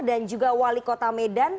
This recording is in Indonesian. dan juga wali kota medan